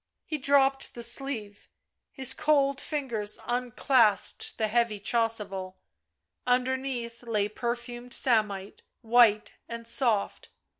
He dropped the sleeve; his cold fingers unclasped the heavy chasuble, underneath lay perfumed samite, white and soft.